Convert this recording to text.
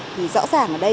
thì rõ ràng ở đây